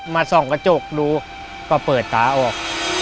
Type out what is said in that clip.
ส่องกระจกดูก็เปิดตาออก